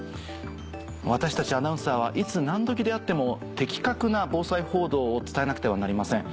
私たちアナウンサーはいつ何時であっても的確な防災報道を伝えなくてはなりません。